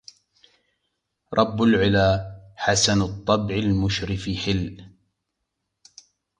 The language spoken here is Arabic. رب العلا حسنَ الطبع المُشرَّفِ حِل